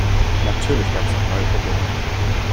Natürlich gab es auch neue Probleme.